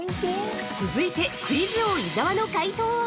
◆続いて、クイズ王伊沢の解答は？